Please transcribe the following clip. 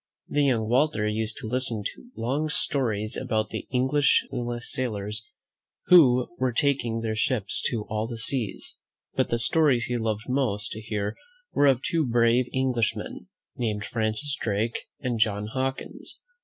The young Walter used to listen to long stories about the great English sailors who were taking their ships to all the seas ; but the stories he loved most to hear were of two brave young Englishmen, named Francis Drake and John Hawkins.